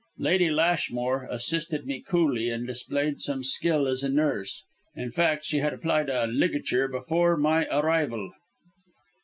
Lady Lashmore assisted me coolly and displayed some skill as a nurse. In fact she had applied a ligature before my arrival."